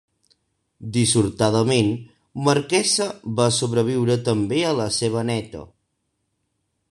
Dissortadament, Marquesa va sobreviure també a la seva néta.